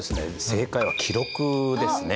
正解は「記録」ですね。